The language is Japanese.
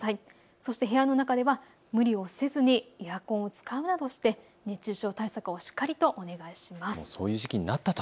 そして部屋の中でも無理をせずにエアコンを使うなどして熱中症対策、しっかりとお願いします。